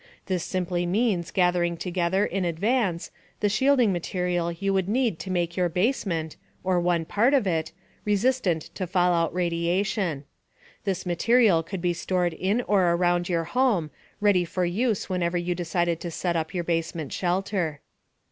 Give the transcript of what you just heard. This simply means gathering together, in advance, the shielding material you would need to make your basement (or one part of it) resistant to fallout radiation. This material could be stored in or around your home, ready for use whenever you decided to set up your basement shelter.